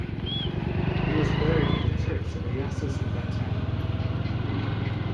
He was buried at the church of Iyasus in that town.